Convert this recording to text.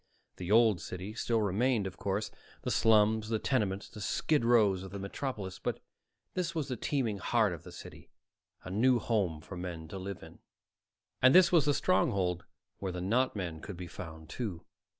The Old City still remained, of course the slums, the tenements, the skid rows of the metropolis but this was the teeming heart of the city, a new home for men to live in. And this was the stronghold where the not men could be found, too.